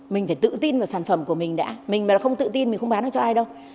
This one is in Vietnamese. mình phải tự tin vào sản phẩm của mình đã mình mà nó không tự tin mình không bán được cho ai đâu